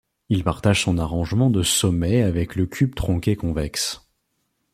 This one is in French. Il partage son arrangement de sommet avec le cube tronqué convexe.